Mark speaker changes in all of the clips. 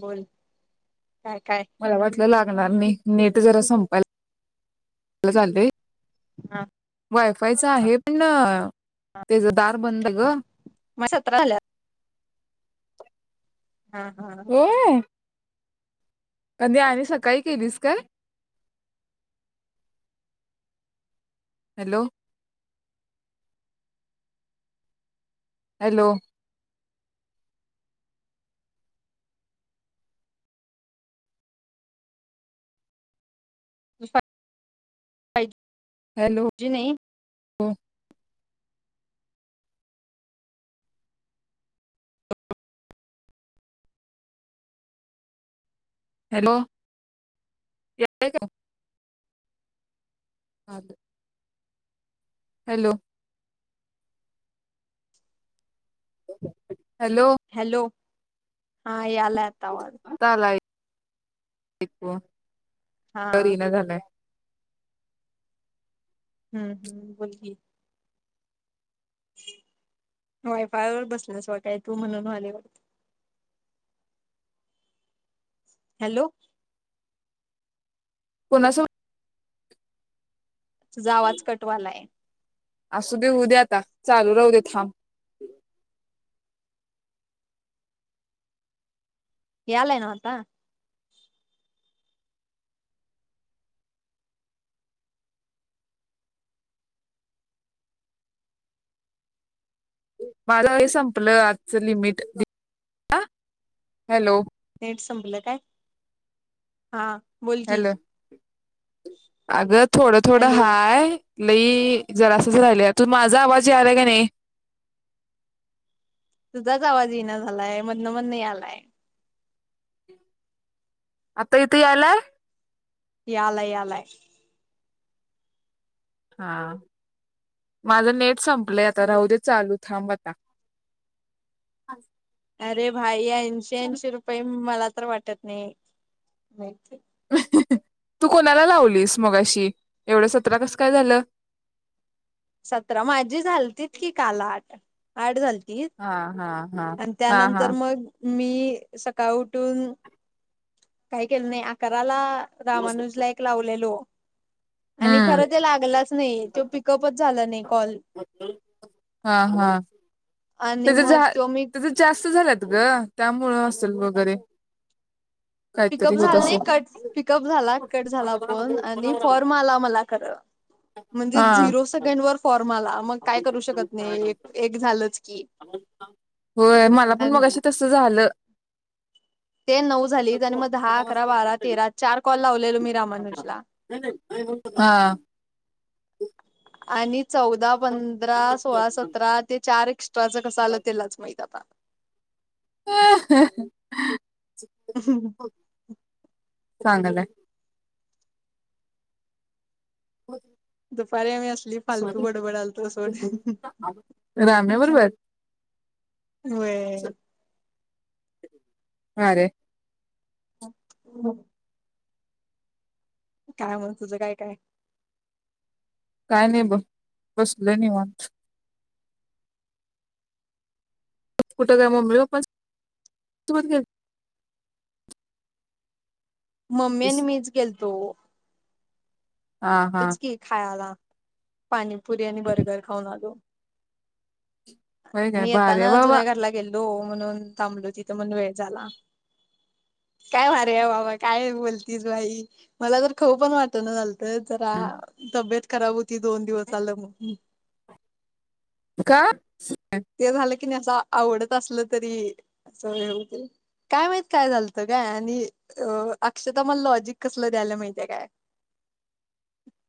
Speaker 1: बोल काय काय
Speaker 2: मला वाटलं लागणार नाही नीट ते जरा संपायला
Speaker 1: हा
Speaker 2: वायफायच आहे पणं त्याच दार बंदय ग
Speaker 1: मा सतरा झाल्यात हा हा
Speaker 2: होय कधी आली, सकाळी केलीस काय? हॅलो हॅलो
Speaker 1: [inaudible] जि नाही
Speaker 2: हो हॅलो येतोय का आवाज? [unintelligible] हॅलो [inaudible]
Speaker 1: हॅलो हा आला आता आवाज
Speaker 2: [unintelligible]
Speaker 1: हा
Speaker 2: करीना झालाय
Speaker 1: हम्म हम्म बोल की? वायफायवर बसलीस वाटाय तू म्हणून आली होय. हॅलो
Speaker 2: कोणा सो
Speaker 1: तुझा आवाज कट व्हालाय.
Speaker 2: असू दे होऊ दे आता, चालू राहू दे थांब
Speaker 1: यायलय नव्ह आता
Speaker 2: माझ हे संपलं आजच लिमिट हॅलो
Speaker 1: नेट संपलं काय? हा बोल की
Speaker 2: हॅलो अगं थोडं थोडं
Speaker 1: हॅलो
Speaker 2: हाय लई जरासच राहिले तूल माझा आवाज यालाय का नाही?
Speaker 1: तुझाच आवाज येईना झालाय, मधनं मधन यायलाय.
Speaker 2: आता येतो यायलाय?
Speaker 1: यालाय यालाय.
Speaker 2: हा माझं नेट संपलंय आता राह दे चालू थांब आता?
Speaker 1: अरे भााई एकशेऐशी रुपये मला वाटत नाही
Speaker 2: तू कोणाला लावलीस मगाशी, एवढं सतरा कस काय झालं?
Speaker 1: सतरा माझी झालती कि काल आठ आठ झाली.
Speaker 2: हा हा हा.
Speaker 1: आणि
Speaker 2: हा हा
Speaker 1: त्यानंतर मग मी सकाळ उठून काही केलं नाही अकराला त्या माणूसला एक लावलेलो आणि
Speaker 2: हम्म
Speaker 1: खरं ते लागलंच नाही तो पिकअपच झालं नाही कॉल
Speaker 2: हा हा
Speaker 1: आणि
Speaker 2: त्याच
Speaker 1: मग
Speaker 2: झा
Speaker 1: तो मी
Speaker 2: त्याच जास्त ग त्यामुळे असेल वगैरे
Speaker 1: पिकअप
Speaker 2: काहीतरी होत
Speaker 1: झाला नाही
Speaker 2: असेल
Speaker 1: कट पिकअप झाला कट झाला फोन आणि फॉर्म आला मला खर म्हणजे
Speaker 2: हा.
Speaker 1: झिरो सेकंड वर फॉर्म आला मग काय करू शकत नाही एक एक झालंच की
Speaker 2: होय मला पण मगाशी तसं झालं
Speaker 1: ते नऊ झाली मग दहा अकरा बारा तेरा चार कॉल लावलेलो मी रामानुजला
Speaker 2: हा
Speaker 1: आणि चौदा पंधरा सोळा सतरा ते चार दोघांचं कस आलं त्यालाच माहित आता
Speaker 2: हम ह ह
Speaker 1: ह
Speaker 2: चांगलाय हो
Speaker 1: दुपारी आम्ही असली फालतू बडबडालतो सोड
Speaker 2: राम्या बरोबर
Speaker 1: वह्य
Speaker 2: हा रे
Speaker 1: ह हम् काय मग तुझं काय काय
Speaker 2: काय नाही बघ बसलोय निवांत कुठं काय मम्मी पप्पा
Speaker 1: मम्मी
Speaker 2: गेलतीस
Speaker 1: आणि मीच गेलतो
Speaker 2: हा हा
Speaker 1: तेच के खायला पाणी पुरी आणि बर्गर खाऊन आलो
Speaker 2: होय काय भारीहाय बाबा
Speaker 1: ो म्हणून थांबलो तिथं म्हण वेळ झाला काय भारी आहे बाबा काय बोलतीच बाई मला तर खाऊ पण वाटणा झालतं जरा तबेत खराब होती. दोन दिवस आलं मग,
Speaker 2: का?
Speaker 1: ते झालं की, की, त्याचा आवडत असलं तरी अस हे होतय, काय माहिती काय झालत, काय आणि अ अक्षता मला लॉजिक कसल द्यायला, माहितीय काय,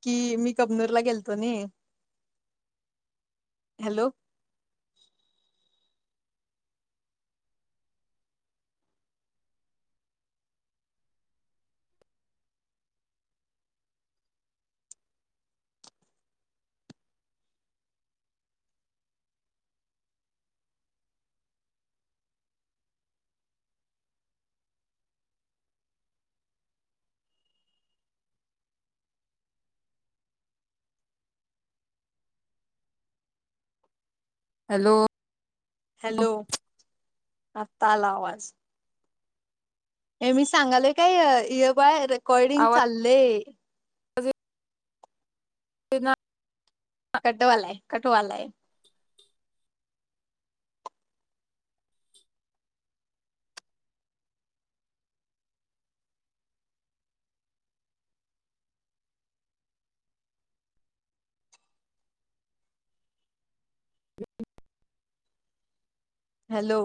Speaker 1: कि मी कबनूर ला गेलतो नि हॅलो, [inaudible]
Speaker 2: हॅलो,
Speaker 1: हॅलो, आत्ता आला, आवाज हे, मी सांगालोय काय. रेकॉर्डिंग
Speaker 2: आवाज
Speaker 1: चाललंय.
Speaker 2: [inaudible] ते ना
Speaker 1: कटवालाय, कठवालाय,
Speaker 2: [unintelligible]
Speaker 1: हॅलो,